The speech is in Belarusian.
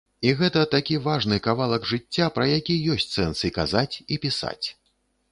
І гэта такі важны кавалак жыцця, пра які ёсць сэнс і казаць, і пісаць.